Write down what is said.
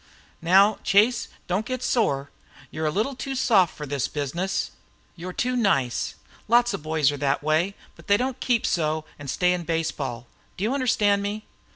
"Now, Chase, don't get sore. You 're a little too soft for this business. You 're too nice. Lots of boys are that way, but they don't keep so and stay in baseball. Do you understand me?"